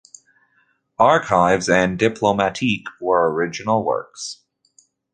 "Archives" and "Diplomatique", were original works.